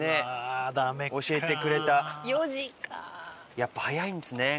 やっぱ、早いんですね